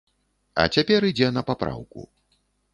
А цяпер ідзе на папраўку.